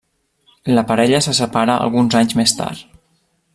La parella se separa alguns anys més tard.